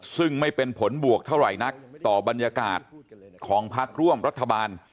ซึ่งไม่เป็นผลบวกเท่าไหร่นักต่อบรรยากาศของพักร่วมรัฐบาล